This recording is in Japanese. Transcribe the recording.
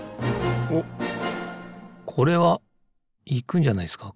おっこれはいくんじゃないですか